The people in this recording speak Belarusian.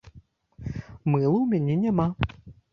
Мыла ў мяне няма.